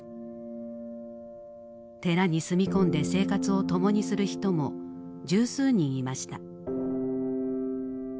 寺に住み込んで生活を共にする人も十数人いました。